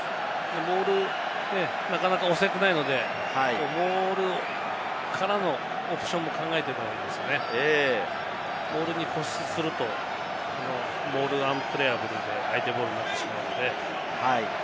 モールをなかなか押せていないので、モールからのオプションも考えてですね、モールに固執するとモール・アンプレアブルで相手ボールになってしまいますので。